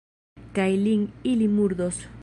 Kaj lin ili murdos!